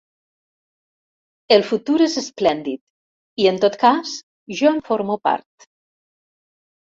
El futur és esplèndid i, en tot cas, jo en formo part.